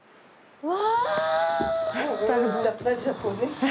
うわ！